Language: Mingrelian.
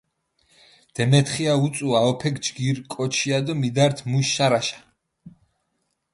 დემეთხია უწუ, ვაჸოფექ ჯგირი კოჩია დო მიდართჷ მუშ შარაშა.